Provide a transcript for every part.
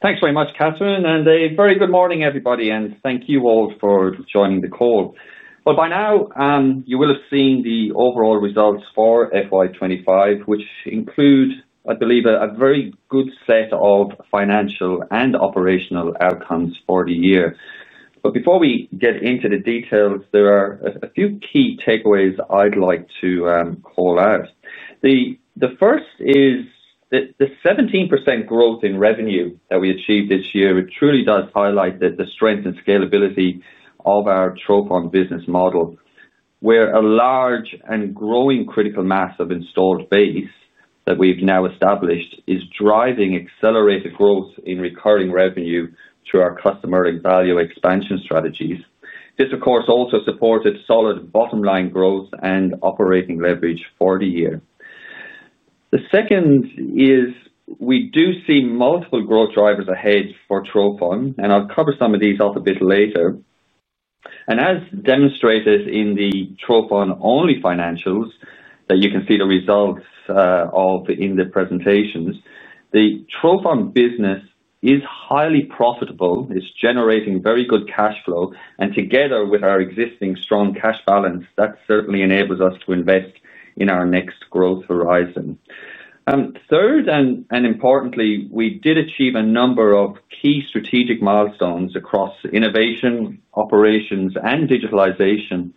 Thanks very much, Catherine, and a very good morning, everybody. Thank you all for joining the call. By now, you will have seen the overall results for FY 2025, which include, I believe, a very good set of financial and operational outcomes for the year. Before we get into the details, there are a few key takeaways I'd like to call out. The first is the 17% growth in revenue that we achieved this year. It truly does highlight the strength and scalability of our trophon business model, where a large and growing critical mass of installed base that we've now established is driving accelerated growth in recurring revenue to our customer and value expansion strategies. This, of course, also supported solid bottom-line growth and operating leverage for the year. The second is we do see multiple growth drivers ahead for trophon, and I'll cover some of these off a bit later. As demonstrated in the trophon-only financials that you can see the results of in the presentations, the trophon business is highly profitable. It's generating very good cash flow, and together with our existing strong cash balance, that certainly enables us to invest in our next growth horizon. Third, and importantly, we did achieve a number of key strategic milestones across innovation, operations, and digitalization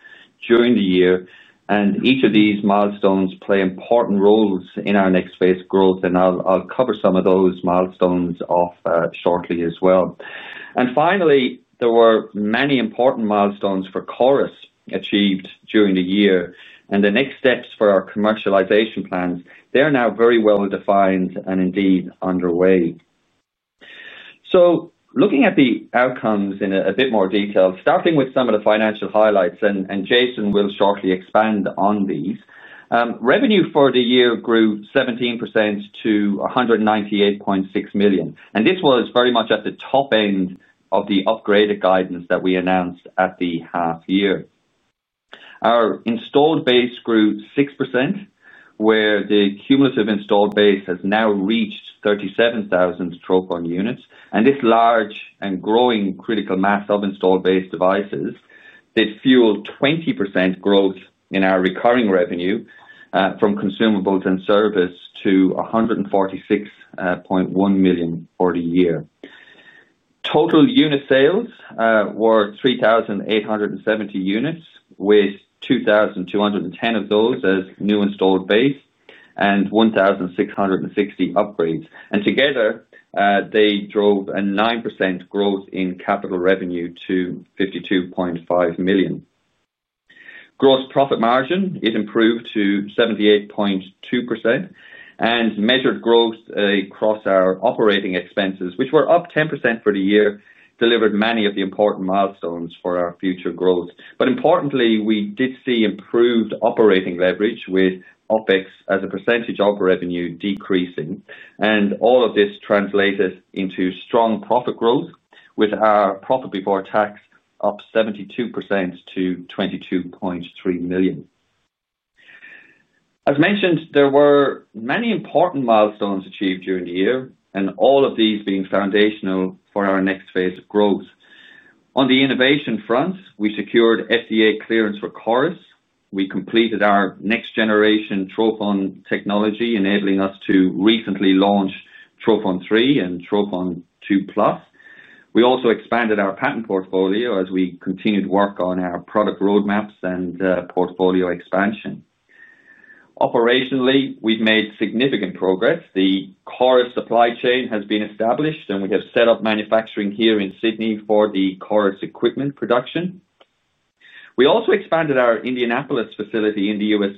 during the year. Each of these milestones plays important roles in our next phase growth, and I'll cover some of those milestones off shortly as well. Finally, there were many important milestones for CORIS achieved during the year, and the next steps for our commercialization plans, they're now very well defined and indeed underway. Looking at the outcomes in a bit more detail, starting with some of the financial highlights, and Jason will shortly expand on these, revenue for the year grew 17% to 198.6 million. This was very much at the top end of the upgraded guidance that we announced at the half year. Our installed base grew 6%, where the cumulative installed base has now reached 37,000 trophon units. This large and growing critical mass of installed base devices did fuel 20% growth in our recurring revenue from consumables and service to 146.1 million for the year. Total unit sales were 3,870 units, with 2,210 of those as new installed base and 1,660 upgrades. Together, they drove a 9% growth in capital revenue to 52.5 million. Gross profit margin is improved to 78.2%. Measured growth across our operating expenses, which were up 10% for the year, delivered many of the important milestones for our future growth. Importantly, we did see improved operating leverage with OpEx as a percentage of revenue decreasing. All of this translated into strong profit growth, with our profit before tax up 72% to 22.3 million. As mentioned, there were many important milestones achieved during the year, and all of these being foundational for our next phase of growth. On the innovation front, we secured FDA clearance for CORIS. We completed our next-generation trophon technology, enabling us to recently launch trophon3 and trophon2 Plus. We also expanded our patent portfolio as we continue to work on our product roadmaps and portfolio expansion. Operationally, we've made significant progress. The CORIS supply chain has been established, and we have set up manufacturing here in Sydney for the CORIS equipment production. We also expanded our Indianapolis facility in the U.S.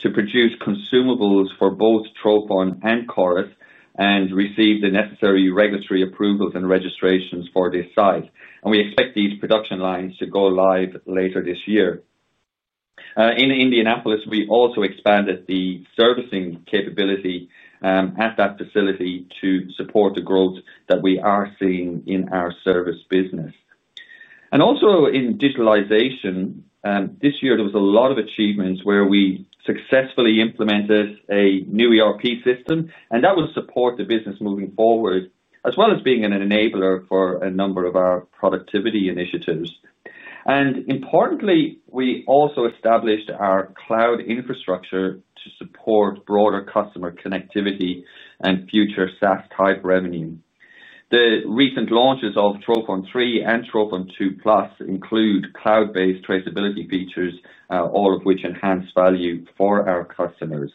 to produce consumables for both trophon and CORIS and received the necessary regulatory approvals and registrations for this site. We expect these production lines to go live later this year. In Indianapolis, we also expanded the servicing capability at that facility to support the growth that we are seeing in our service business. Also in digitalization, this year there was a lot of achievements where we successfully implemented a new ERP system. That will support the business moving forward, as well as being an enabler for a number of our productivity initiatives. Importantly, we also established our cloud infrastructure to support broader customer connectivity and future SaaS-type revenue. The recent launches of trophon3 and trophon2 Plus include cloud-based traceability features, all of which enhance value for our customers.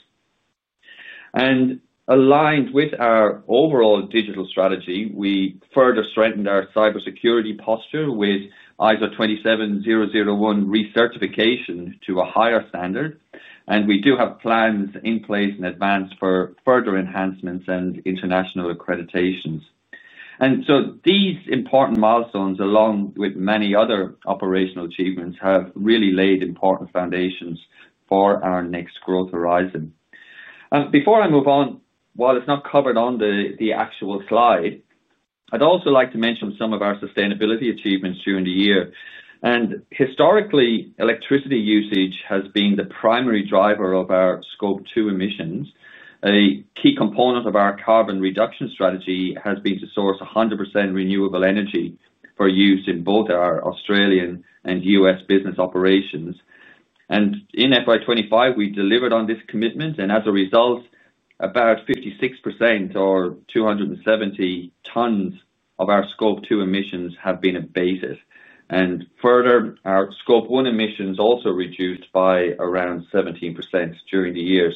Aligned with our overall digital strategy, we further strengthened our cybersecurity posture with ISO 27001 recertification to a higher standard. We do have plans in place in advance for further enhancements and international accreditations. These important milestones, along with many other operational achievements, have really laid important foundations for our next growth horizon. Before I move on, while it's not covered on the actual slide, I'd also like to mention some of our sustainability achievements during the year. Historically, electricity usage has been the primary driver of our Scope 2 emissions. A key component of our carbon reduction strategy has been to source 100% renewable energy for use in both our Australian and U.S. business operations. In FY 2025 we delivered on this commitment. As a result, about 56% or 270 tons of our Scope 2 emissions have been abated. Further, our Scope 1 emissions also reduced by around 17% during the year.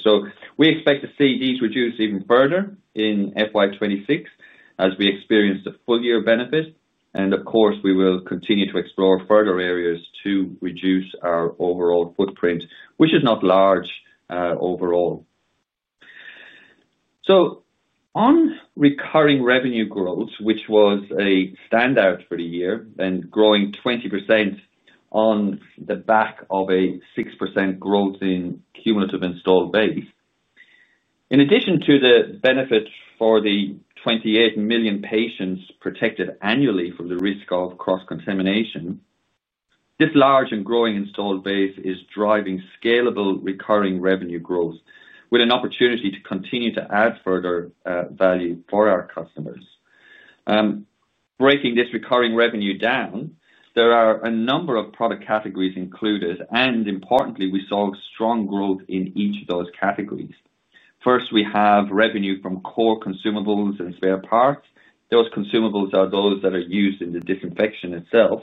We expect to see these reduce even further in FY 2026 as we experience the full-year benefit. Of course, we will continue to explore further areas to reduce our overall footprint, which is not large overall. On recurring revenue growth, which was a standout for the year and growing 20% on the back of a 6% growth in cumulative installed base, in addition to the benefit for the 28 million patients protected annually from the risk of cross-contamination, this large and growing installed base is driving scalable recurring revenue growth with an opportunity to continue to add further value for our customers. Breaking this recurring revenue down, there are a number of product categories included. Importantly, we saw strong growth in each of those categories. First, we have revenue from core consumables and spare parts. Those consumables are those that are used in the disinfection itself.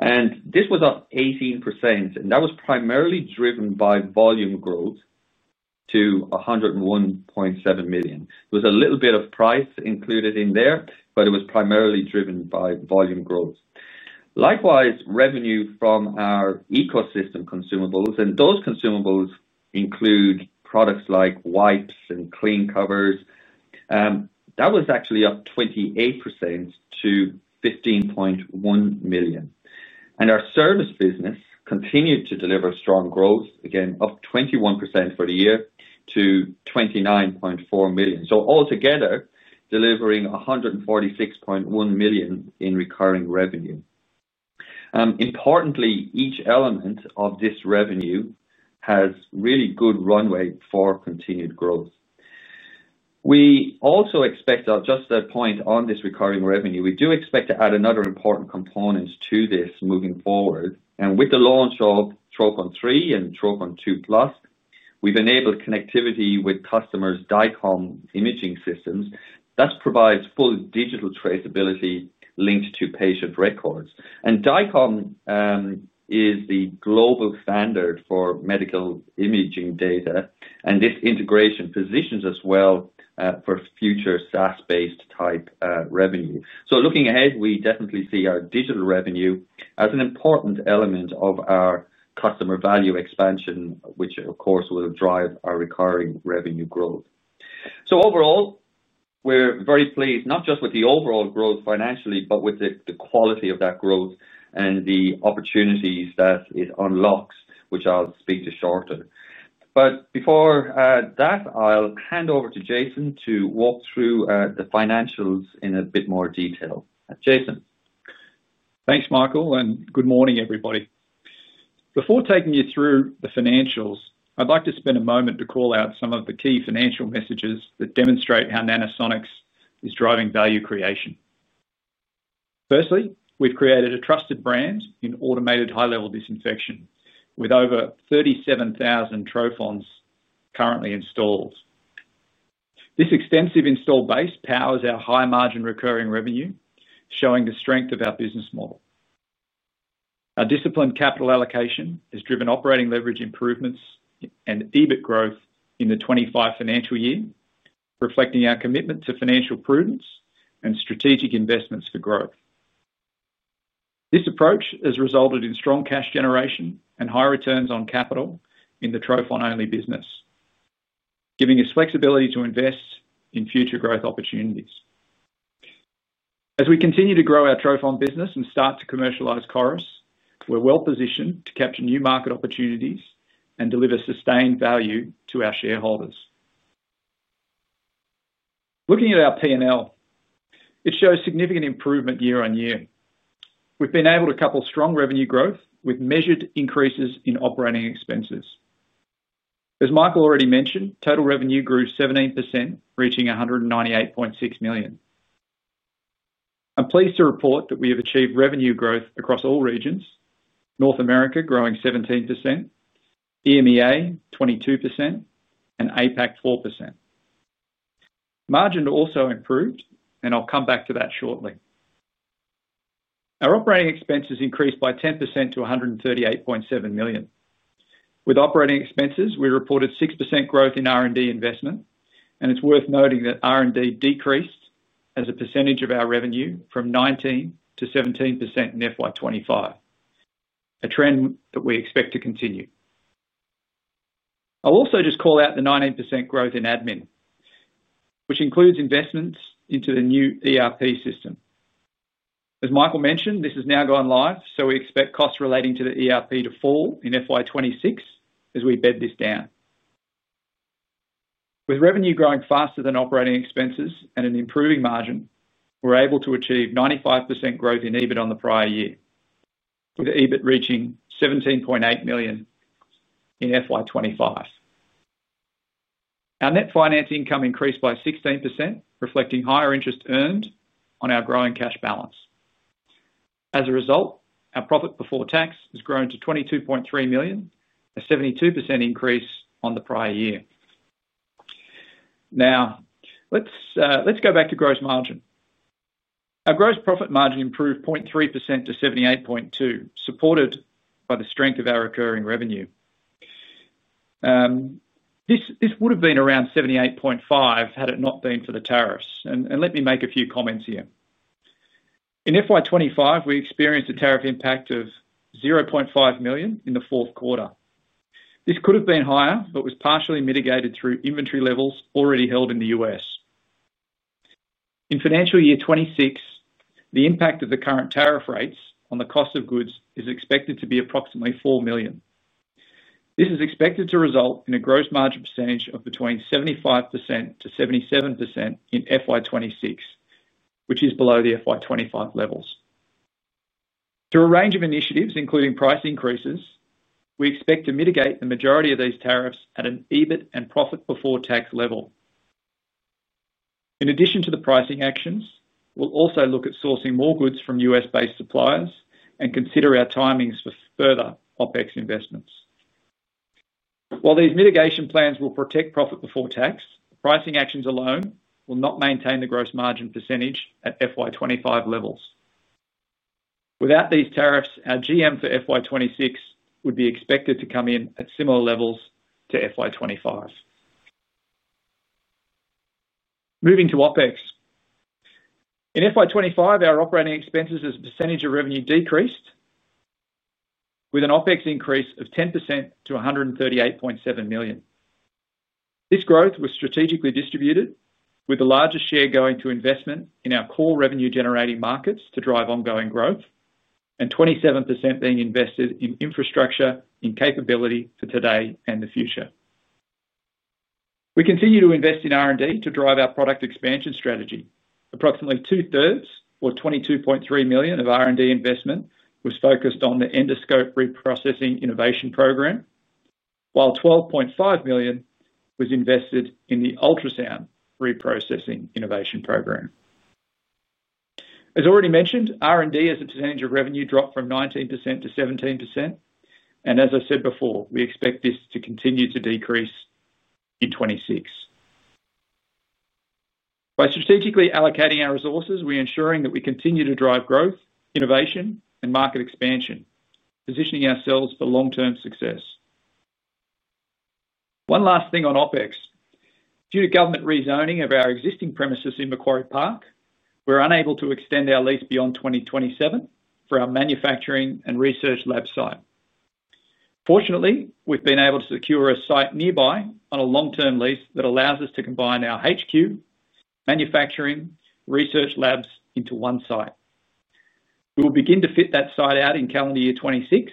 This was up 18%, and that was primarily driven by volume growth to 101.7 million. There was a little bit of price included in there, but it was primarily driven by volume growth. Likewise, revenue from our ecosystem consumables, and those consumables include products like wipes and clean covers, was actually up 28% to 15.1 million. Our service business continued to deliver strong growth, again up 21% for the year to 29.4 million. Altogether, delivering 146.1 million in recurring revenue. Importantly, each element of this revenue has really good runway for continued growth. We also expect, just to point on this recurring revenue, to add another important component to this moving forward. With the launch of trophon3 and trophon2 Plus, we've enabled connectivity with customers' DICOM imaging systems. That provides full digital traceability linked to patient records. DICOM is the global standard for medical imaging data. This integration positions us well for future SaaS-based type revenue. Looking ahead, we definitely see our digital revenue as an important element of our customer value expansion, which, of course, will drive our recurring revenue growth. Overall, we're very pleased, not just with the overall growth financially, but with the quality of that growth and the opportunities that it unlocks, which I'll speak to shortly. Before that, I'll hand over to Jason to walk through the financials in a bit more detail. Jason. Thanks, Michael, and good morning, everybody. Before taking you through the financials, I'd like to spend a moment to call out some of the key financial messages that demonstrate how Nanosonics is driving value creation. Firstly, we've created a trusted brand in automated high-level disinfection with over 37,000 trophons currently installed. This extensive installed base powers our high-margin recurring revenue, showing the strength of our business model. Our disciplined capital allocation has driven operating leverage improvements and EBIT growth in the 2025 financial year, reflecting our commitment to financial prudence and strategic investments for growth. This approach has resulted in strong cash generation and high returns on capital in the trophon-only business, giving us flexibility to invest in future growth opportunities. As we continue to grow our trophon business and start to commercialize CORIS, we're well positioned to capture new market opportunities and deliver sustained value to our shareholders. Looking at our P&L, it shows significant improvement year-on-year. We've been able to couple strong revenue growth with measured increases in operating expenses. As Michael already mentioned, total revenue grew 17%, reaching 198.6 million. I'm pleased to report that we have achieved revenue growth across all regions, North America growing 17%, EMEA 22%, and APAC 4%. Margin also improved, and I'll come back to that shortly. Our operating expenses increased by 10% to 138.7 million. With operating expenses, we reported 6% growth in R&D investment. It's worth noting that R&D decreased as a percentage of our revenue from 19% to 17% in FY 2025, a trend that we expect to continue. I'll also just call out the 19% growth in admin, which includes investments into the new ERP system. As Michael mentioned, this has now gone live, so we expect costs relating to the ERP to fall in FY 2026 as we bed this down. With revenue growing faster than operating expenses and an improving margin, we're able to achieve 95% growth in EBIT on the prior year, with EBIT reaching 17.8 million in FY 2025. Our net finance income increased by 16%, reflecting higher interest earned on our growing cash balance. As a result, our profit before tax has grown to 22.3 million, a 72% increase on the prior year. Now, let's go back to gross margin. Our gross profit margin improved 0.3% to 78.2%, supported by the strength of our recurring revenue. This would have been around 78.5% had it not been for the tariffs. Let me make a few comments here. In FY 2025, we experienced a tariff impact of 0.5 million in the fourth quarter. This could have been higher, but was partially mitigated through inventory levels already held in the U.S. In financial year 2026, the impact of the current tariff rates on the cost of goods is expected to be approximately 4 million. This is expected to result in a gross margin percentage of between 75%-77% in FY 2026, which is below the FY 2025 levels. Through a range of initiatives, including price increases, we expect to mitigate the majority of these tariffs at an EBIT and profit before tax level. In addition to the pricing actions, we'll also look at sourcing more goods from U.S.-based suppliers and consider our timings for further OpEx investments. While these mitigation plans will protect profit before tax, pricing actions alone will not maintain the gross margin percentage at FY 2025 levels. Without these tariffs, our GM for FY 2026 would be expected to come in at similar levels to FY 2025. Moving to OpEx, in FY 2025, our operating expenses as a percentage of revenue decreased, with an OpEx increase of 10% to 138.7 million. This growth was strategically distributed, with the largest share going to investment in our core revenue-generating markets to drive ongoing growth, and 27% being invested in infrastructure and capability for today and the future. We continue to invest in R&D to drive our product expansion strategy. Approximately 2/3, or 22.3 million, of R&D investment was focused on the Endoscope Reprocessing Innovation Program, while 12.5 million was invested in the Ultrasound Reprocessing Innovation Program. As already mentioned, R&D as a percentage of revenue dropped from 19% to 17%. As I said before, we expect this to continue to decrease in 2026. By strategically allocating our resources, we are ensuring that we continue to drive growth, innovation, and market expansion, positioning ourselves for long-term success. One last thing on OpEx. Due to government rezoning of our existing premises in Macquarie Park, we're unable to extend our lease beyond 2027 for our manufacturing and research lab site. Fortunately, we've been able to secure a site nearby on a long-term lease that allows us to combine our HQ, manufacturing, and research labs into one site. We will begin to fit that site out in calendar year 2026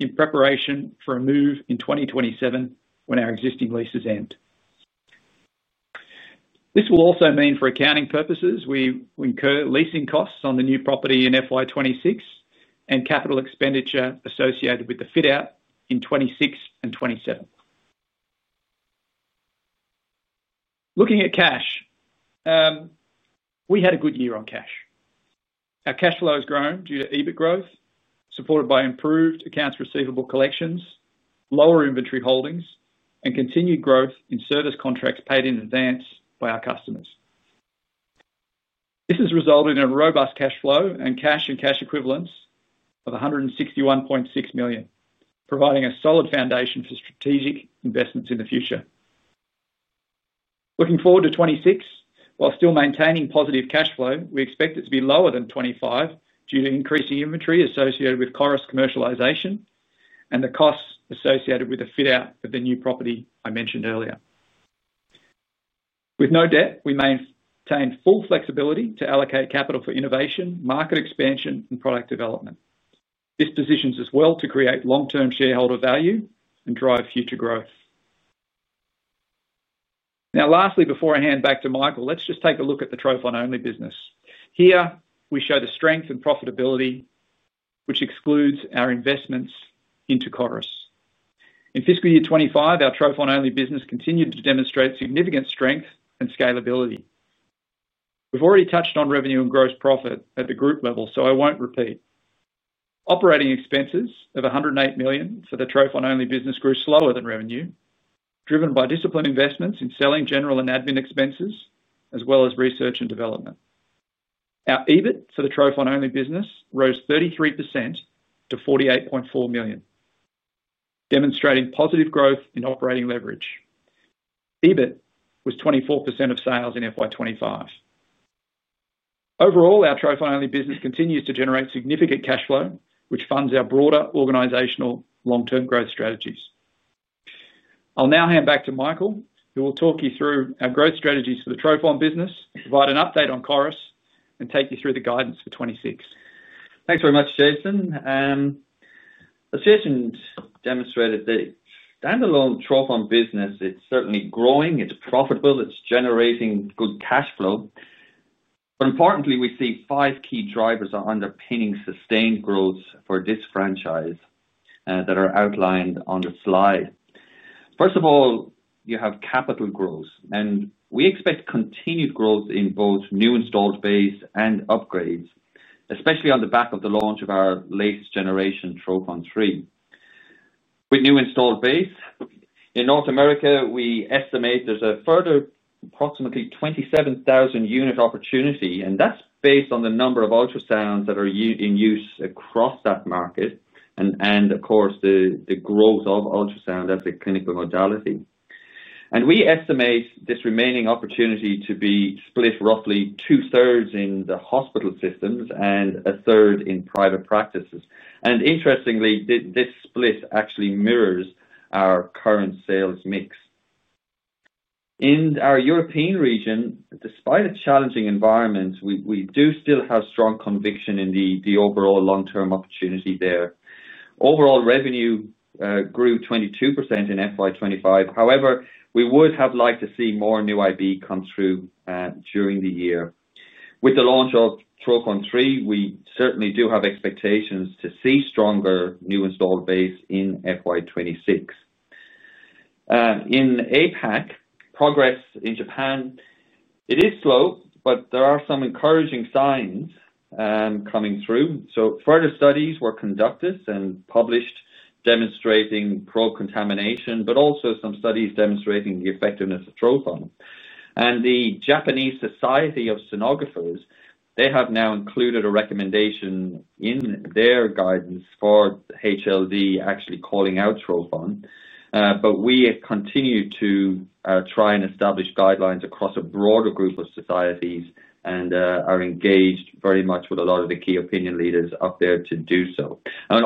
in preparation for a move in 2027 when our existing leases end. This will also mean, for accounting purposes, we incur leasing costs on the new property in FY 2026 and capital expenditure associated with the fit-out in 2026 and 2027. Looking at cash, we had a good year on cash. Our cash flow has grown due to EBIT growth, supported by improved accounts receivable collections, lower inventory holdings, and continued growth in service contracts paid in advance by our customers. This has resulted in a robust cash flow and cash and cash equivalents of 161.6 million, providing a solid foundation for strategic investments in the future. Looking forward to 2026, while still maintaining positive cash flow, we expect it to be lower than 2025 due to increasing inventory associated with CORIS commercialization and the costs associated with the fit-out of the new property I mentioned earlier. With no debt, we maintain full flexibility to allocate capital for innovation, market expansion, and product development. This positions us well to create long-term shareholder value and drive future growth. Now, lastly, before I hand back to Michael, let's just take a look at the trophon-only business. Here, we show the strength and profitability, which excludes our investments into CORIS. In fiscal year 2025, our trophon-only business continued to demonstrate significant strength and scalability. We've already touched on revenue and gross profit at the group level, so I won't repeat. Operating expenses of 108 million for the trophon-only business grew slower than revenue, driven by disciplined investments in selling, general, and admin expenses, as well as research and development. Our EBIT for the trophon-only business rose 33% to 48.4 million, demonstrating positive growth in operating leverage. EBIT was 24% of sales in FY 2025. Overall, our trophon-only business continues to generate significant cash flow, which funds our broader organizational long-term growth strategies. I'll now hand back to Michael, who will talk you through our growth strategies for the trophon business, provide an update on CORIS, and take you through the guidance for 2026. Thanks very much, Jason. As Jason demonstrated, the standalone trophon business is certainly growing. It's profitable. It's generating good cash flow. Importantly, we see five key drivers underpinning sustained growth for this franchise that are outlined on the slide. First of all, you have capital growth. We expect continued growth in both new installed base and upgrades, especially on the back of the launch of our latest generation trophon3. With new installed base in North America, we estimate there's a further approximately 27,000 unit opportunity. That's based on the number of ultrasounds that are in use across that market and, of course, the growth of ultrasound as a clinical modality. We estimate this remaining opportunity to be split roughly 2/3 in the hospital systems and 1/3 in private practices. Interestingly, this split actually mirrors our current sales mix. In our European region, despite a challenging environment, we do still have strong conviction in the overall long-term opportunity there. Overall revenue grew 22% in FY 2025. However, we would have liked to see more new IB come through during the year. With the launch of trophon3, we certainly do have expectations to see stronger new installed base in FY 2026. In APAC, progress in Japan is slow, but there are some encouraging signs coming through. Further studies were conducted and published demonstrating pro-contamination, but also some studies demonstrating the effectiveness of trophon. The Japanese Society of Stenographers has now included a recommendation in their guidance for HLD actually calling out trophon. We have continued to try and establish guidelines across a broader group of societies and are engaged very much with a lot of the key opinion leaders up there to do so. In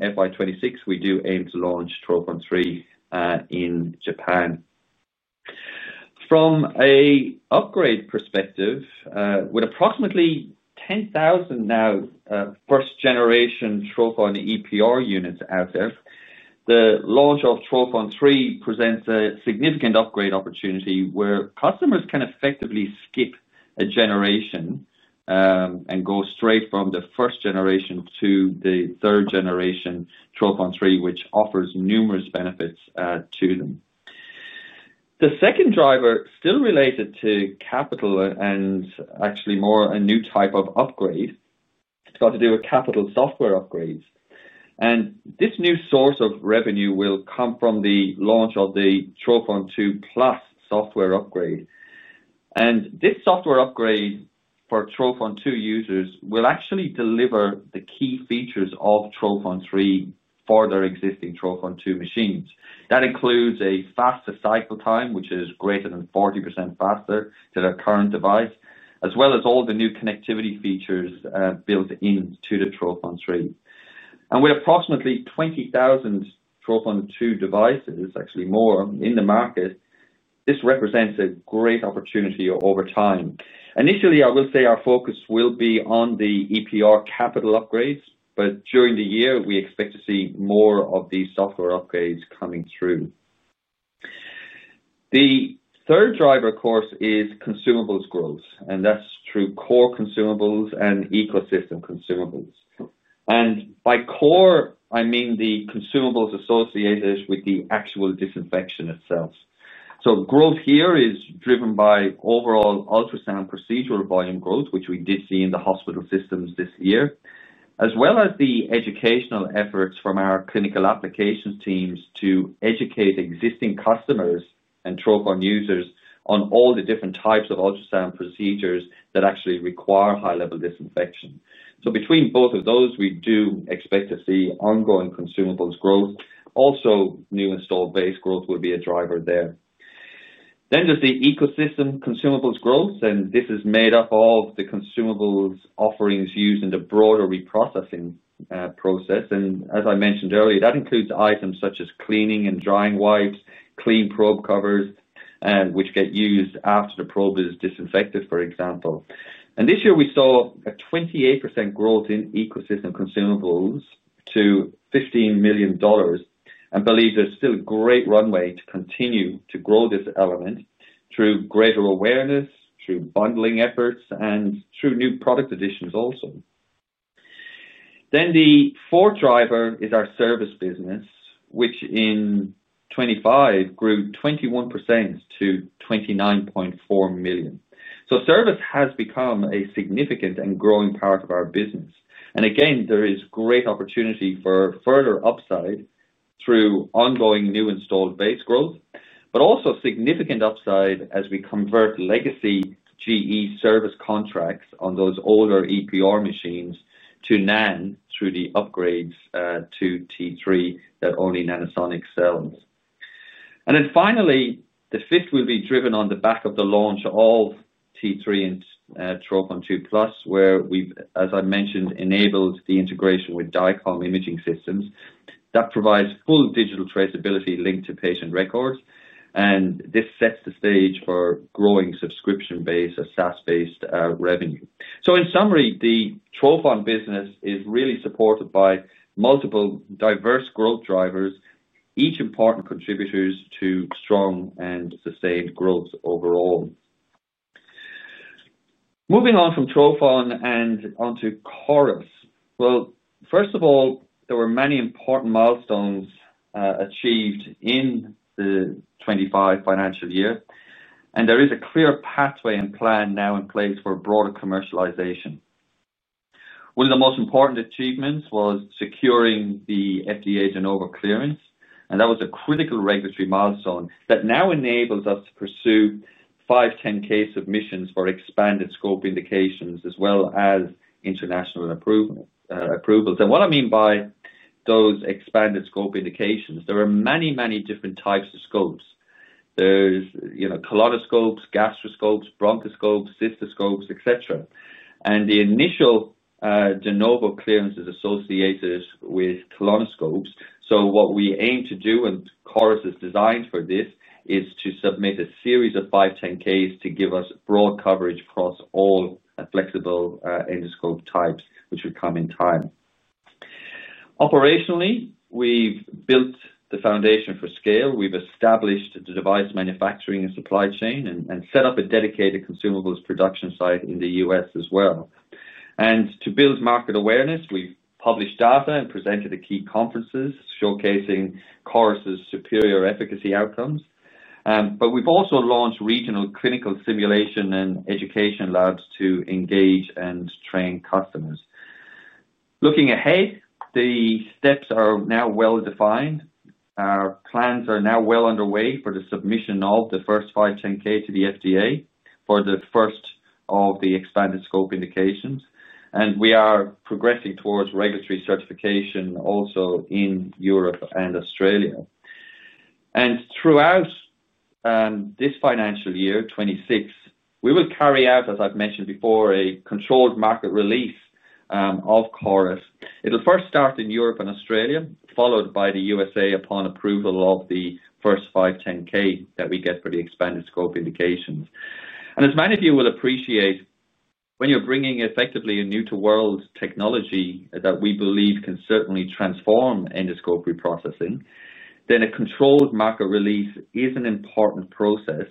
FY 2026, we do aim to launch trophon3 in Japan. From an upgrade perspective, with approximately 10,000 now first-generation trophon EPR units out there, the launch of trophon3 presents a significant upgrade opportunity where customers can effectively skip a generation and go straight from the first generation to the third-generation trophon3, which offers numerous benefits to them. The second driver, still related to capital and actually more a new type of upgrade, is to do with capital software upgrades. This new source of revenue will come from the launch of the trophon2 Plus software upgrade. This software upgrade for trophon2 users will actually deliver the key features of trophon3 for their existing trophon2 machines. That includes a faster cycle time, which is greater than 40% faster than our current device, as well as all the new connectivity features built into the trophon3. With approximately 20,000 trophon2 devices, actually more in the market, this represents a great opportunity over time. Initially, I will say our focus will be on the EPR capital upgrades. During the year, we expect to see more of these software upgrades coming through. The third driver, of course, is consumables growth. That is through core consumables and ecosystem consumables. By core, I mean the consumables associated with the actual disinfection itself. Growth here is driven by overall ultrasound procedural volume growth, which we did see in the hospital systems this year, as well as the educational efforts from our clinical applications teams to educate existing customers and trophon users on all the different types of ultrasound procedures that actually require high-level disinfection. Between both of those, we do expect to see ongoing consumables growth. New installed base growth will be a driver there. There is also the ecosystem consumables growth. This is made up of the consumables offerings used in the broader reprocessing process. As I mentioned earlier, that includes items such as cleaning and drying wipes, clean probe covers, which get used after the probe is disinfected, for example. This year, we saw a 28% growth in ecosystem consumables to 15 million dollars. I believe there is still a great runway to continue to grow this element through greater awareness, through bundling efforts, and through new product additions also. The fourth driver is our service business, which in 2025 grew 21% to 29.4 million. Service has become a significant and growing part of our business. There is great opportunity for further upside through ongoing new installed base growth, but also significant upside as we convert legacy GE service contracts on those older EPR machines to Nan through the upgrades to T3 that only Nanosonics sells. Finally, the fifth will be driven on the back of the launch of T3 and trophon2 Plus, where we have, as I mentioned, enabled the integration with DICOM imaging systems. That provides full digital traceability linked to patient records. This sets the stage for growing subscription-based or SaaS-based revenue. In summary, the trophon business is really supported by multiple diverse growth drivers, each important contributors to strong and sustained growth overall. Moving on from trophon and onto CORIS, first of all, there were many important milestones achieved in the 2025 financial year. There is a clear pathway and plan now in place for broader commercialization. One of the most important achievements was securing the FDA Genova clearance. That was a critical regulatory milestone that now enables us to pursue 510(k) submissions for expanded scope indications, as well as international approvals. What I mean by those expanded scope indications is there are many, many different types of scopes. There are colonoscopes, gastroscopes, bronchoscopes, cystoscopes, etc. The initial Genova clearance is associated with colonoscopes. What we aim to do, and CORIS is designed for this, is to submit a series of 510(k)s to give us broad coverage across all flexible endoscope types, which will come in time. Operationally, we've built the foundation for scale. We've established the device manufacturing and supply chain and set up a dedicated consumables production site in the U.S. as well. To build market awareness, we've published data and presented at key conferences, showcasing CORIS's superior efficacy outcomes. We've also launched regional clinical simulation and education labs to engage and train customers. Looking ahead, the steps are now well defined. Our plans are now well underway for the submission of the first 510(k) to the FDA for the first of the expanded scope indications. We are progressing towards regulatory certification also in Europe and Australia. Throughout this financial year, 2026, we will carry out, as I've mentioned before, a controlled market release of CORIS. It will first start in Europe and Australia, followed by the U.S. upon approval of the first 510(k) that we get for the expanded scope indications. As many of you will appreciate, when you're bringing effectively a new-to-world technology that we believe can certainly transform endoscope reprocessing, a controlled market release is an important process.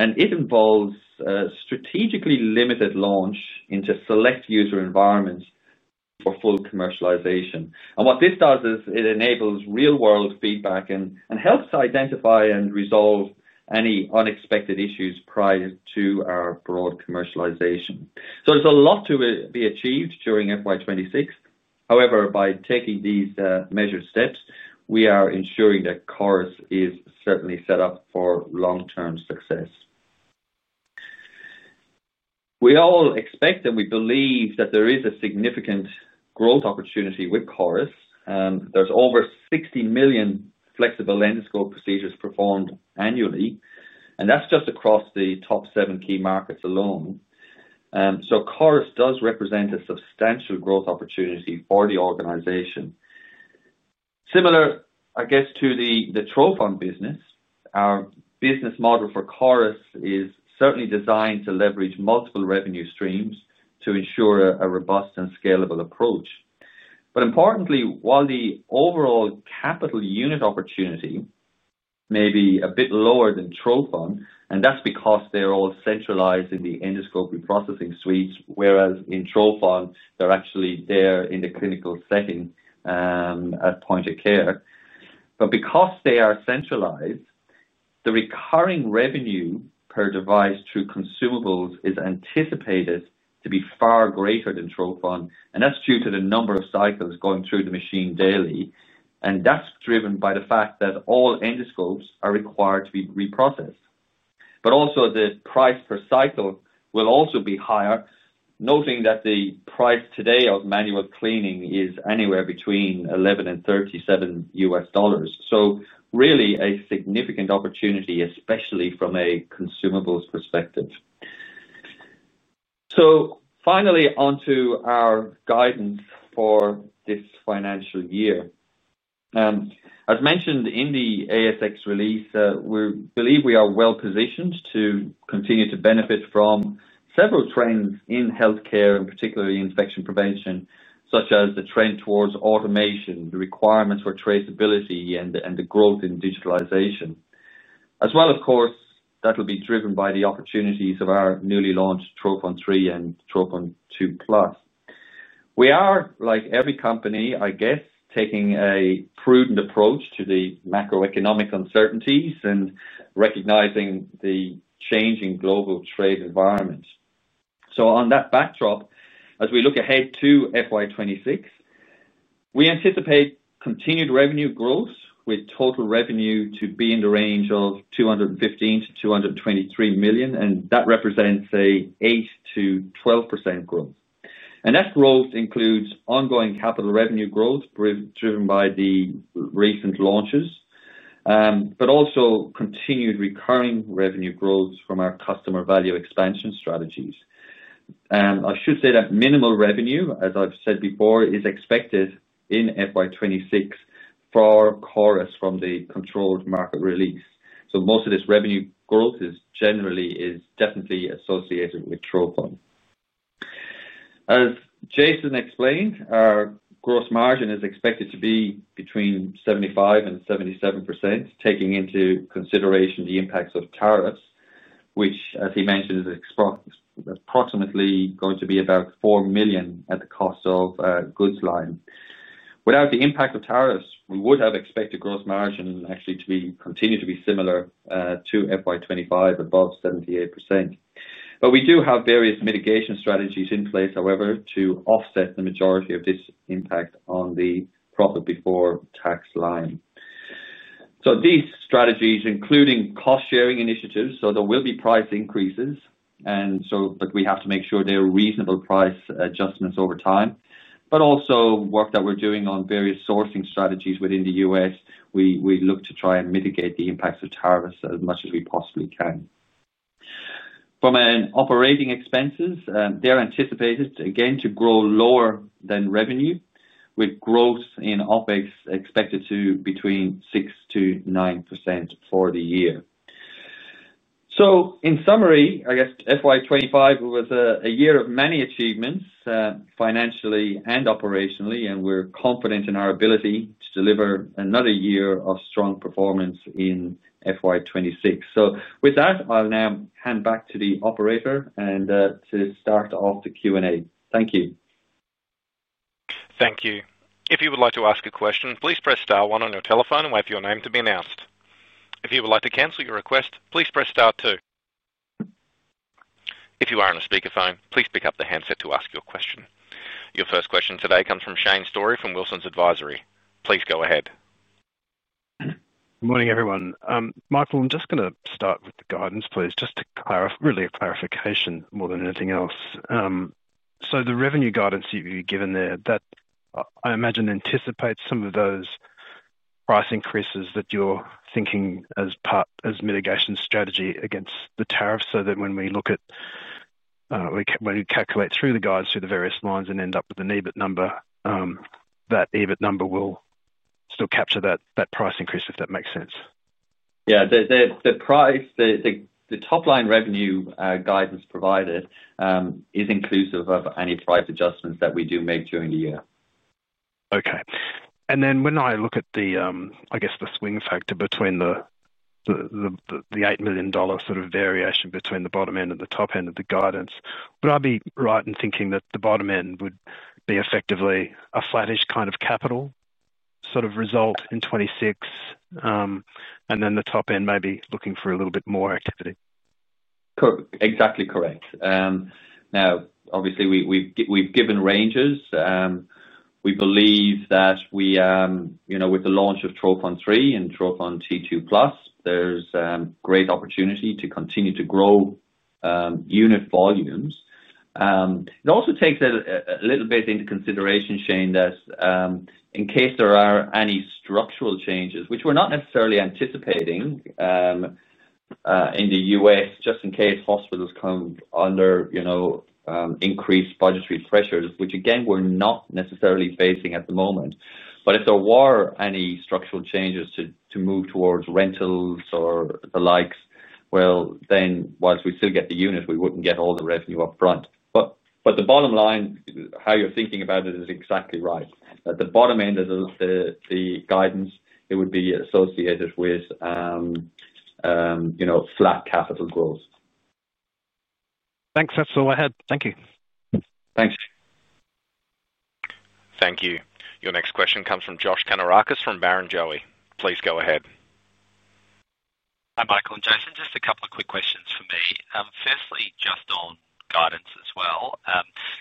It involves a strategically limited launch into select user environments for full commercialization. What this does is it enables real-world feedback and helps to identify and resolve any unexpected issues prior to our broad commercialization. There is a lot to be achieved during FY 2026. However, by taking these measured steps, we are ensuring that CORIS is certainly set up for long-term success. We all expect and we believe that there is a significant growth opportunity with CORIS. There are over 60 million flexible endoscope procedures performed annually, and that's just across the top seven key markets alone. CORIS does represent a substantial growth opportunity for the organization. Similar, I guess, to the trophon business, our business model for CORIS is certainly designed to leverage multiple revenue streams to ensure a robust and scalable approach. Importantly, while the overall capital unit opportunity may be a bit lower than trophon, and that's because they're all centralized in the endoscope reprocessing suites, whereas in trophon, they're actually there in the clinical setting at point of care. Because they are centralized, the recurring revenue per device through consumables is anticipated to be far greater than trophon, and that's due to the number of cycles going through the machine daily. That's driven by the fact that all endoscopes are required to be reprocessed. Also, the price per cycle will also be higher, noting that the price today of manual cleaning is anywhere between $11 and $37. Really a significant opportunity, especially from a consumables perspective. Finally, onto our guidance for this financial year. As mentioned in the ASX release, we believe we are well positioned to continue to benefit from several trends in health care, and particularly infection prevention, such as the trend towards automation, the requirements for traceability, and the growth in digitalization. Of course, that will be driven by the opportunities of our newly launched trophon3 and trophon2 Plus. We are, like every company, I guess, taking a prudent approach to the macroeconomic uncertainties and recognizing the changing global trade environment. On that backdrop, as we look ahead to FY 2026, we anticipate continued revenue growth, with total revenue to be in the range of 215 million-223 million. That represents an 8%-12% growth. That growth includes ongoing capital revenue growth driven by the recent launches, but also continued recurring revenue growth from our customer value expansion strategies. I should say that minimal revenue, as I've said before, is expected in FY 2026 for CORIS from the controlled market release. Most of this revenue growth generally is definitely associated with trophon. As Jason explained, our gross margin is expected to be between 75% and 77%, taking into consideration the impacts of tariffs, which, as he mentioned, is approximately going to be about 4 million at the cost of goods line. Without the impact of tariffs, we would have expected gross margin actually to continue to be similar to FY 2025, above 78%. We do have various mitigation strategies in place, however, to offset the majority of this impact on the profit before tax line. These strategies include cost-sharing initiatives, so there will be price increases. We have to make sure they're reasonable price adjustments over time. Also, work that we're doing on various sourcing strategies within the U.S., we look to try and mitigate the impacts of tariffs as much as we possibly can. From an operating expenses perspective, they're anticipated, again, to grow lower than revenue, with growth in OpEx expected to be between 6%-9% for the year. In summary, I guess FY 2025 was a year of many achievements financially and operationally. We're confident in our ability to deliver another year of strong performance in FY 2026. With that, I'll now hand back to the operator to start off the Q&A. Thank you. Thank you. If you would like to ask a question, please press star one on your telephone and wait for your name to be announced. If you would like to cancel your request, please press star two. If you are on a speakerphone, please pick up the handset to ask your question. Your first question today comes from Shane Storey from Wilsons Advisory. Please go ahead. Morning, everyone. Michael, I'm just going to start with the guidance, please, just really a clarification more than anything else. The revenue guidance you've given there, that I imagine anticipates some of those price increases that you're thinking as part of a mitigation strategy against the tariffs. When we look at, when we calculate through the guides through the various lines and end up with an EBIT number, that EBIT number will still capture that price increase, if that makes sense. Yeah, the price, the top line revenue guidance provided is inclusive of any price adjustments that we do make during the year. OK. When I look at the, I guess, the swing factor between the 8 million dollar sort of variation between the bottom end and the top end of the guidance, would I be right in thinking that the bottom end would be effectively a flattish kind of capital sort of result in 2026, and the top end may be looking for a little bit more activity? Exactly correct. Now, obviously, we've given ranges. We believe that with the launch of trophon3 and trophon2 Plus, there's great opportunity to continue to grow unit volumes. It also takes a little bit into consideration, Shane, that in case there are any structural changes, which we're not necessarily anticipating in the U.S., just in case hospitals come under increased budgetary pressures, which again, we're not necessarily facing at the moment. If there were any structural changes to move towards rentals or the likes, whilst we still get the units, we wouldn't get all the revenue up front. The bottom line, how you're thinking about it is exactly right. At the bottom end of the guidance, it would be associated with flat capital growth. Thanks, that's all I had. Thank you. Thanks. Thank you. Your next question comes from Josh Kannourakis from Barrenjoey. Please go ahead. Hi, Michael and Jason. Just a couple of quick questions for me. Firstly, just on guidance as well.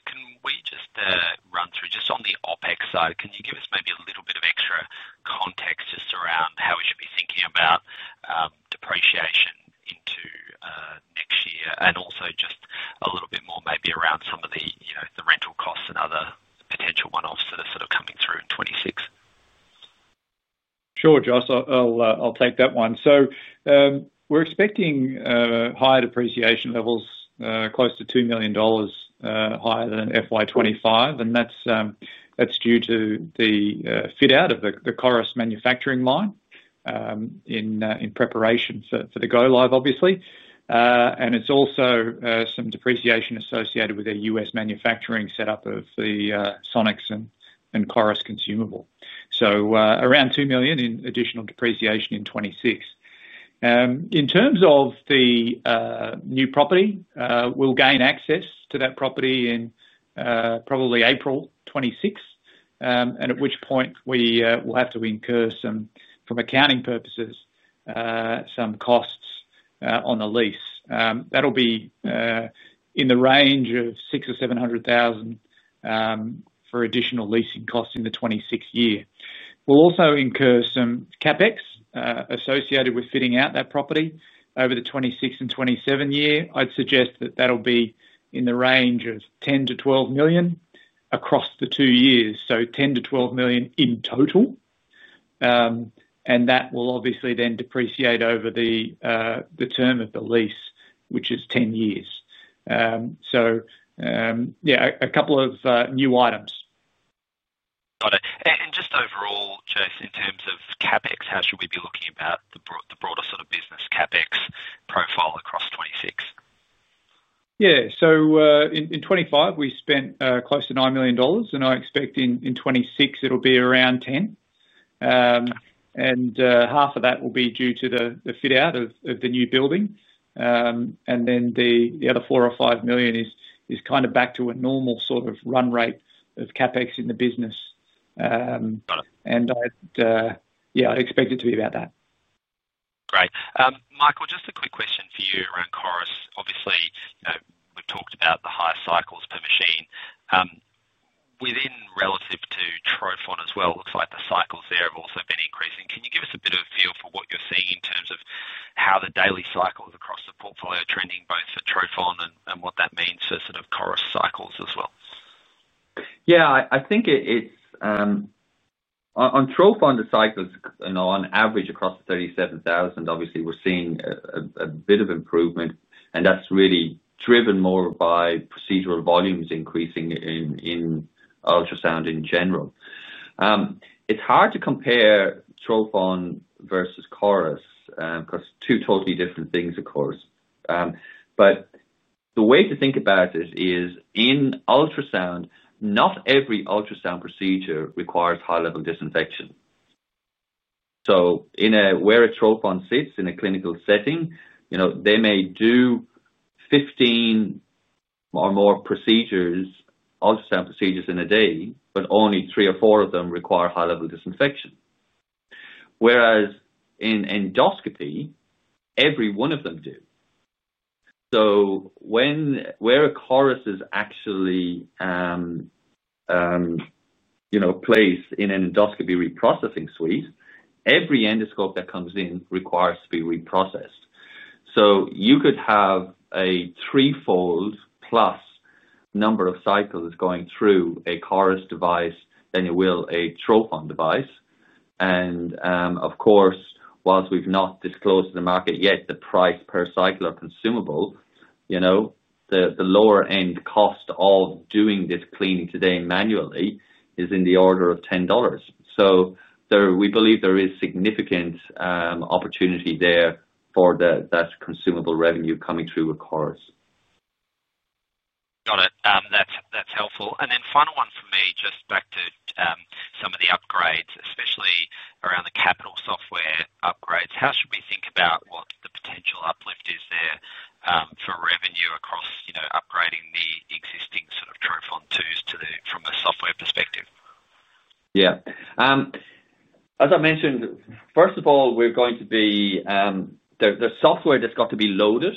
Can we just run through, just on the OpEx side, can you give us maybe a little bit of extra context just around how we should be thinking about depreciation into next year? Also, just a little bit more maybe around some of the rental costs and other potential one-offs that are sort of coming through in 2026? Sure, Josh. I'll take that one. We're expecting higher depreciation levels, close to 2 million dollars higher than FY 2025, and that's due to the fit-out of the CORIS manufacturing line in preparation for the go-live, obviously. It's also some depreciation associated with a U.S. manufacturing setup of the Sonics and CORIS consumable. Around 2 million in additional depreciation in 2026. In terms of the new property, we'll gain access to that property in probably April 2026, at which point we will have to incur, for accounting purposes, some costs on the lease. That'll be in the range of 600,000-700,000 for additional leasing costs in the 2026 year. We'll also incur some CapEx associated with fitting out that property over the 2026 and 2027 year. I'd suggest that that'll be in the range of 10 million-12 million across the two years, so 10 million-12 million in total. That will obviously then depreciate over the term of the lease, which is 10 years. A couple of new items. Got it. Jason, in terms of CapEx, how should we be looking about the broader sort of business CapEx profile across 2026? Yeah, so in 2025, we spent close to 9 million dollars. I expect in 2026, it'll be around 10 million. Half of that will be due to the fit-out of the new building, and the other 4 million or 5 million is kind of back to a normal sort of run rate of CapEx in the business. I'd expect it to be about that. Great. Michael, just a quick question for you around CORIS. Obviously, we've talked about the higher cycles per machine. Within relative to trophon as well, it looks like the cycles there have also been increasing. Can you give us a bit of a feel for what you're seeing in terms of how the daily cycles across the portfolio are trending, both for trophon and what that means for sort of CORIS cycles as well? Yeah, I think it's on trophon, the cycles are on average across the 37,000. Obviously, we're seeing a bit of improvement, and that's really driven more by procedural volumes increasing in ultrasound in general. It's hard to compare trophon versus CORIS because two totally different things, of course. The way to think about it is, in ultrasound, not every ultrasound procedure requires high-level disinfection. Where a trophon sits in a clinical setting, they may do 15 or more ultrasound procedures in a day, but only three or four of them require high-level disinfection. Whereas in endoscopy, every one of them do. Where a CORIS is actually placed in an endoscopy reprocessing suite, every endoscope that comes in requires to be reprocessed. You could have a threefold plus number of cycles going through a CORIS device than you will a trophon device. Whilst we've not disclosed to the market yet the price per cycle or consumable, you know the lower-end cost of doing this cleaning today manually is in the order of 10 dollars. We believe there is significant opportunity there for that consumable revenue coming through with CORIS. Got it. That's helpful. Final one for me, just back to some of the upgrades, especially around the capital software upgrades. How should we think about what the potential uplift is there for revenue across upgrading the existing sort of trophon2s from a software perspective? Yeah. As I mentioned, first of all, we're going to be the software that's got to be loaded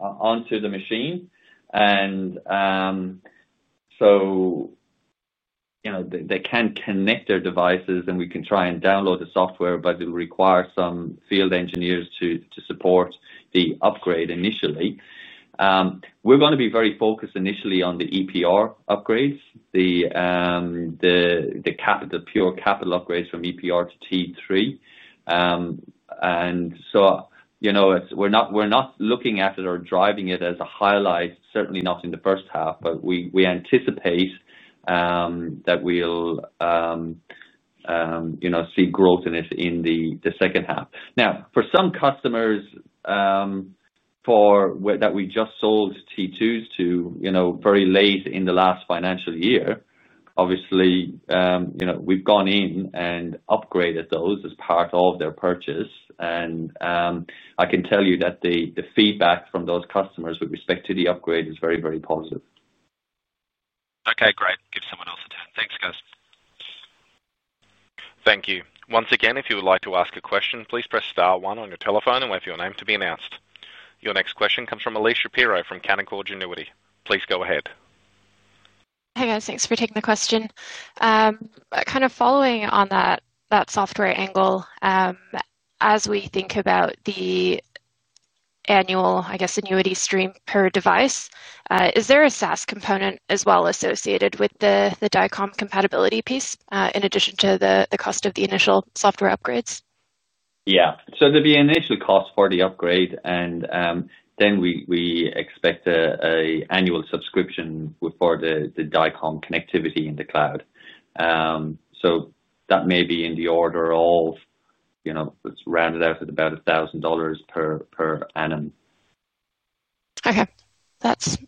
onto the machine, and so they can connect their devices, and we can try and download the software, but it will require some field engineers to support the upgrade initially. We're going to be very focused initially on the EPR upgrades, the pure capital upgrades from EPR T3. We're not looking at it or driving it as a highlight, certainly not in the first half. We anticipate that we'll see growth in it in the second half. Now, for some customers that we just sold T2s to very late in the last financial year, obviously, we've gone in and upgraded those as part of their purchase. I can tell you that the feedback from those customers with respect to the upgrade is very, very positive. OK, great. Give someone else a turn. Thanks, Gus. Thank you. Once again, if you would like to ask a question, please press star one on your telephone and wait for your name to be announced. Your next question comes from Elyse Shapiro from Canaccord Genuity. Please go ahead. Hey, guys. Thanks for taking the question. Kind of following on that software angle, as we think about the annual, I guess, annuity stream per device, is there a SaaS component as well associated with the DICOM compatibility piece in addition to the cost of the initial software upgrades? Yeah. There'll be an initial cost for the upgrade, and then we expect an annual subscription for the DICOM connectivity in the cloud. That may be in the order of, let's round it out at about 1,000 dollars per annum. OK. That's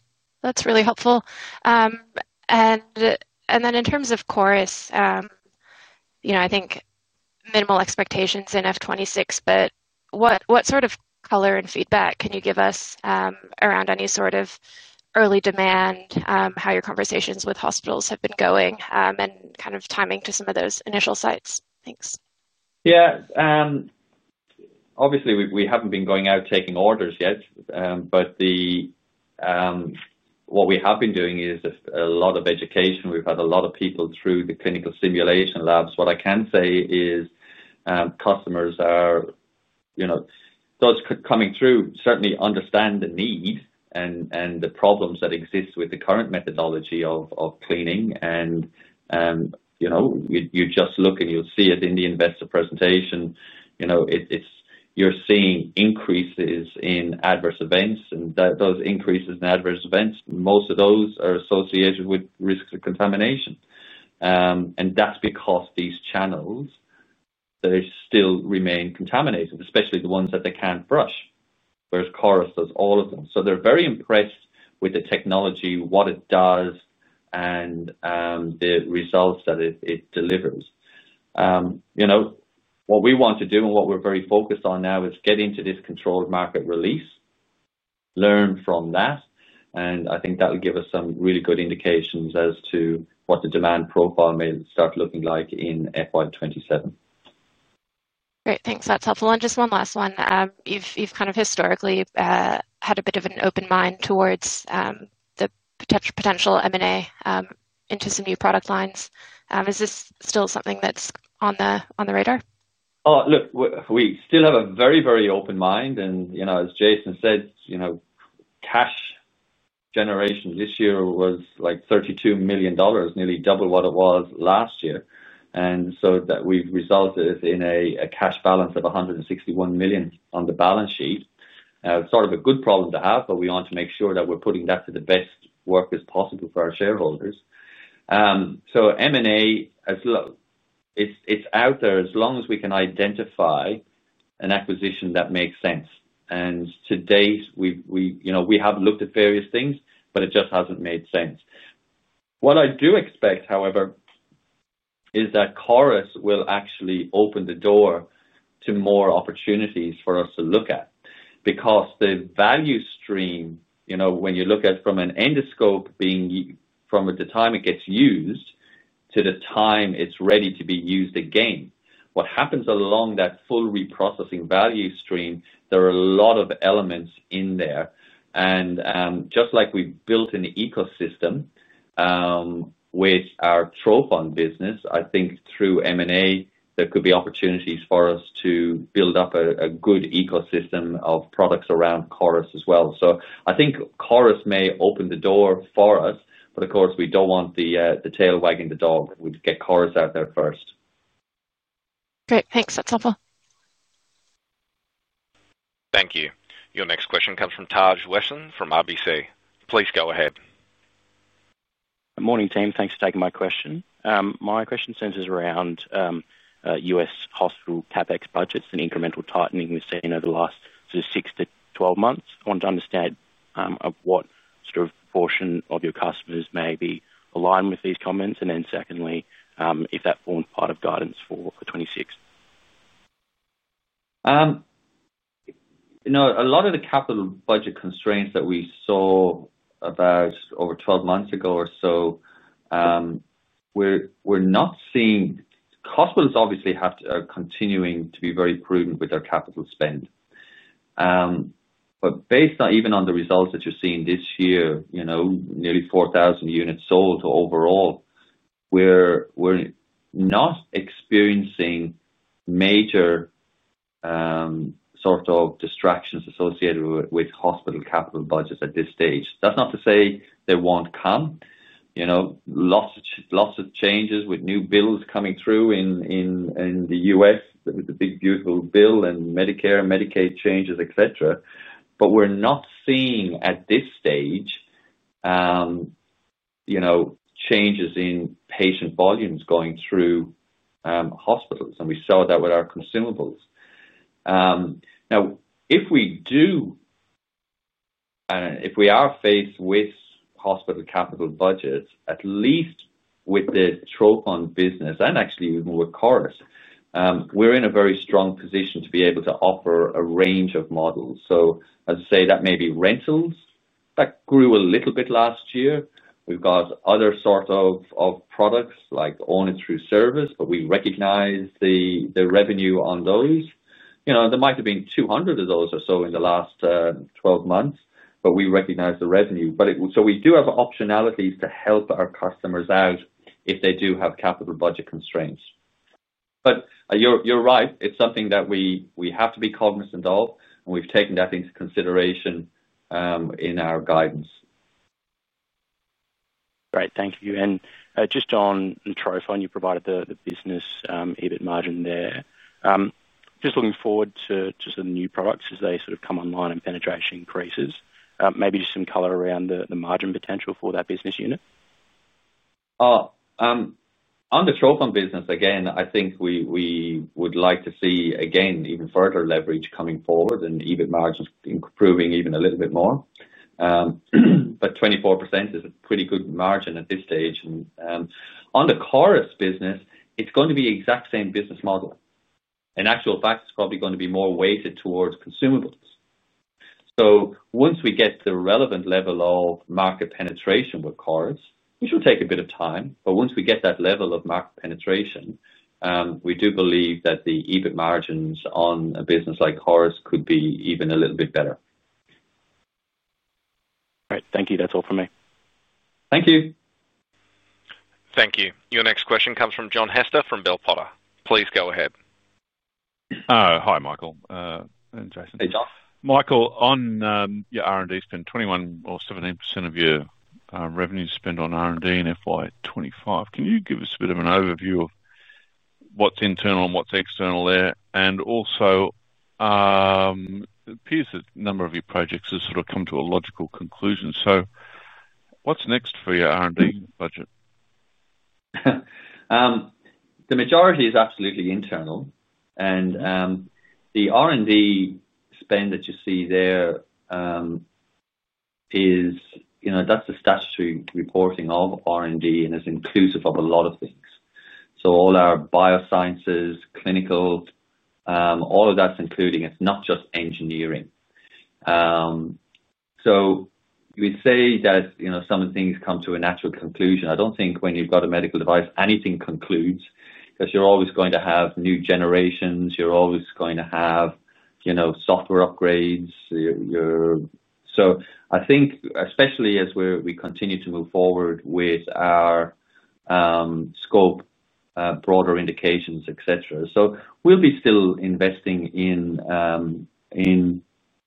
really helpful. In terms of CORIS, I think minimal expectations in FY 2026. What sort of color and feedback can you give us around any sort of early demand, how your conversations with hospitals have been going, and kind of timing to some of those initial sites? Thanks. Yeah. Obviously, we haven't been going out taking orders yet, but what we have been doing is a lot of education. We've had a lot of people through the clinical simulation labs. What I can say is customers that are coming through certainly understand the need and the problems that exist with the current methodology of cleaning. You just look, and you'll see it in the investor presentation. You're seeing increases in adverse events, and those increases in adverse events, most of those are associated with risks of contamination. That's because these channels still remain contaminated, especially the ones that they can't brush, whereas CORIS does all of them. They're very impressed with the technology, what it does, and the results that it delivers. What we want to do and what we're very focused on now is getting to this controlled market release, learn from that, and I think that will give us some really good indications as to what the demand profile may start looking like in FY 2027. Great. Thanks, that's helpful. Just one last one. You've kind of historically had a bit of an open mind towards the potential M&A into some new product lines. Is this still something that's on the radar? Oh, look, we still have a very, very open mind. As Jason said, cash generation this year was like 32 million dollars, nearly double what it was last year. That has resulted in a cash balance of 161 million on the balance sheet. It's sort of a good problem to have, but we want to make sure that we're putting that to the best work as possible for our shareholders. M&A, it's out there as long as we can identify an acquisition that makes sense. To date, we have looked at various things, but it just hasn't made sense. What I do expect, however, is that CORIS will actually open the door to more opportunities for us to look at because the value stream, when you look at it from an endoscope, from the time it gets used to the time it's ready to be used again, what happens along that full reprocessing value stream, there are a lot of elements in there. Just like we've built an ecosystem with our trophon business, I think through M&A, there could be opportunities for us to build up a good ecosystem of products around CORIS as well. I think CORIS may open the door for us. Of course, we don't want the tail wagging the dog. We'd get CORIS out there first. Great. Thanks, that's helpful. Thank you. Your next question comes from Taj Wesson from RBC. Please go ahead. Morning, team. Thanks for taking my question. My question centers around U.S. hospital CapEx budgets and incremental tightening we've seen over the last sort of six to 12 months. I want to understand what sort of portion of your customers may be aligned with these comments. Secondly, does that form part of guidance for 2026? A lot of the capital budget constraints that we saw about over 12 months ago or so, we're not seeing. Hospitals obviously are continuing to be very prudent with their capital spend. Based on even on the results that you're seeing this year, nearly 4,000 units sold overall, we're not experiencing major sort of distractions associated with hospital capital budgets at this stage. That's not to say they won't come. Lots of changes with new bills coming through in the U.S., the big beautiful bill, and Medicare and Medicaid changes, etc. We're not seeing at this stage changes in patient volumes going through hospitals. We saw that with our consumables. If we do, if we are faced with hospital capital budgets, at least with the trophon business and actually even with CORIS, we're in a very strong position to be able to offer a range of models. As I say, that may be rentals that grew a little bit last year. We've got other sort of products like own-it-through service. We recognize the revenue on those. There might have been 200,000 or so in the last 12 months. We recognize the revenue. We do have optionalities to help our customers out if they do have capital budget constraints. You're right. It's something that we have to be cognizant of. We've taken that into consideration in our guidance. Great. Thank you. Just on trophon, you provided the business EBIT margin there. Looking forward to some new products as they sort of come online and penetration increases, maybe just some color around the margin potential for that business unit. Oh, on the trophon business, again, I think we would like to see, again, even further leverage coming forward and EBIT margins improving even a little bit more. 24% is a pretty good margin at this stage. On the CORIS business, it's going to be the exact same business model. In actual fact, it's probably going to be more weighted towards consumables. Once we get to the relevant level of market penetration with CORIS, which will take a bit of time, once we get that level of market penetration, we do believe that the EBIT margins on a business like CORIS could be even a little bit better. Great. Thank you. That's all for me. Thank you. Thank you. Your next question comes from John Hester from Bell Potter. Please go ahead. Hi, Michael and Jason. Hey, John. Michael, on your R&D spend, 21% or 17% of your revenue is spent on R&D in FY 2025. Can you give us a bit of an overview of what's internal and what's external there? It appears that a number of your projects have sort of come to a logical conclusion. What's next for your R&D budget? The majority is absolutely internal. The R&D spend that you see there is, you know, that's the statutory reporting of R&D and is inclusive of a lot of things. All our biosciences, clinical, all of that's included. It's not just engineering. We say that some of the things come to a natural conclusion. I don't think when you've got a medical device, anything concludes because you're always going to have new generations. You're always going to have software upgrades. I think, especially as we continue to move forward with our scope, broader indications, et cetera, we'll be still investing in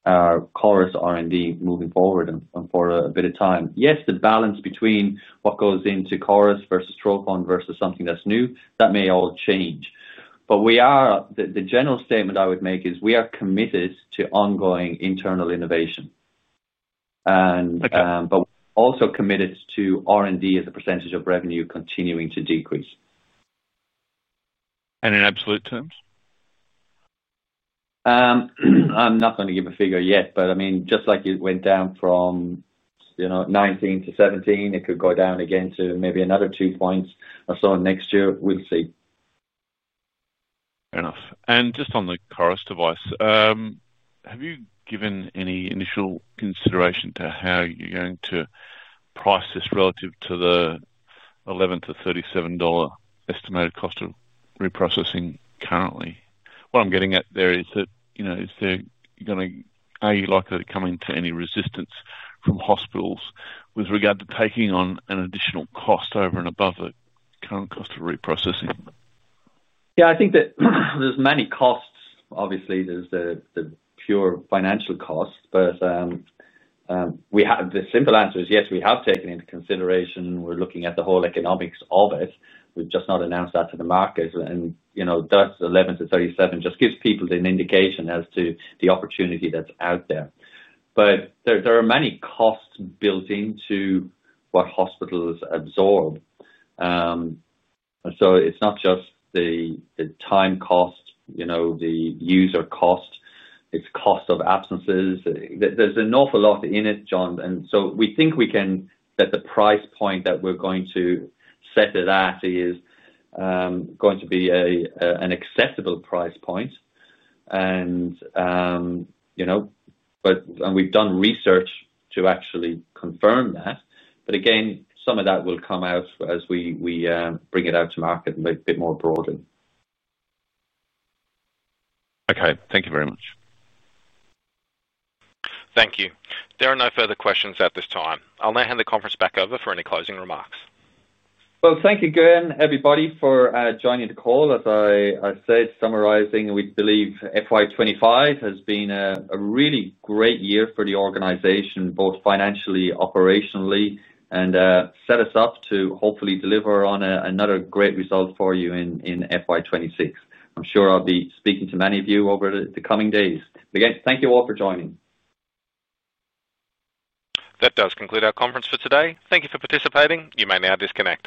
our CORIS R&D moving forward and for a bit of time. Yes, the balance between what goes into CORIS versus trophon versus something that's new, that may all change. The general statement I would make is we are committed to ongoing internal innovation. We're also committed to R&D as a percentage of revenue continuing to decrease. In absolute terms? I'm not going to give a figure yet. Just like it went down from 19% to 17%, it could go down again to maybe another 2 points or so next year. We'll see. Fair enough. Just on the CORIS device, have you given any initial consideration to how you're going to price this relative to the $11-$37 estimated cost of reprocessing currently? What I'm getting at there is that, you know, is there going to, are you likely to come into any resistance from hospitals with regard to taking on an additional cost over and above the current cost of reprocessing? Yeah, I think that there's many costs. Obviously, there's the pure financial cost. The simple answer is yes, we have taken into consideration. We're looking at the whole economics of it. We've just not announced that to the market. That's $11-$37, just gives people an indication as to the opportunity that's out there. There are many costs built into what hospitals absorb. It's not just the time cost, you know, the user cost. It's cost of absences. There's an awful lot in it, John. We think that the price point that we're going to set it at is going to be an accessible price point. We've done research to actually confirm that. Some of that will come out as we bring it out to market a bit more broadly. OK, thank you very much. Thank you. There are no further questions at this time. I'll now hand the conference back over for any closing remarks. Thank you again, everybody, for joining the call. As I said, summarizing, we believe FY 2025 has been a really great year for the organization, both financially and operationally, and set us up to hopefully deliver on another great result for you in FY 2026. I'm sure I'll be speaking to many of you over the coming days. Thank you all for joining. That does conclude our conference for today. Thank you for participating. You may now disconnect.